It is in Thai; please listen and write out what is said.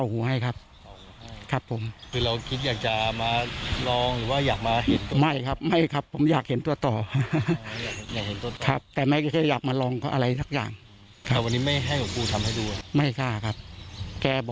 หลังจากกระแสท่าออกไปเนี่ยมีบางคนเขาก็ไม่เชื่อ